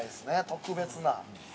特別な。